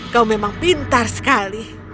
kau memang pintar sekali